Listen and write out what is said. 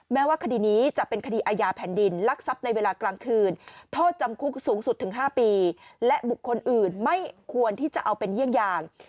แม้ว่าคดีนี้จะเป็นคดีอาญาแผ่นดินลักทรัพย์ในเวลากลางคืนโทษจำคุกสูงสุดถึง๕ปีและบุคคลอื่นไม่ควรที่จะเอาเป็นเยี่ยงอย่าง